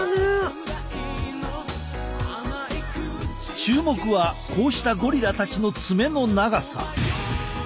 注目はこうしたゴリラたちの爪の長さ。